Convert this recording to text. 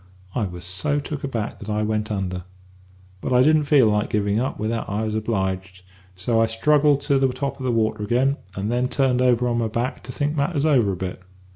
I was so took aback that I went under. But I didn't feel like giving up without I was obliged; so I struggled to the top of the water again, and then turned over on my back to think matters over a bit.